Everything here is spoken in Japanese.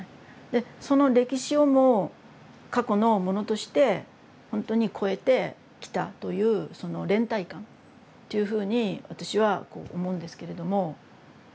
でその歴史をも過去のものとしてほんとにこえてきたというその連帯感っていうふうに私は思うんですけれども。